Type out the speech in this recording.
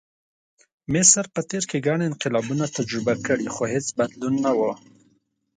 مصر په تېر کې ګڼ انقلابونه تجربه کړي، خو هېڅ بدلون نه و.